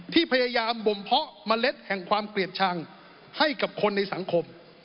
ที่พยายามบ่มเพาะเมล็ดแห่งความเกลียดชังให้กับคนในสังคม